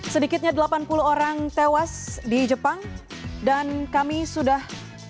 sedikitnya delapan puluh orang tewas di jepang dan kami sudah